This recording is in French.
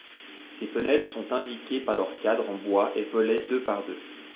Ces fenêtres sont indiquées par leur cadre en bois et volet deux par deux.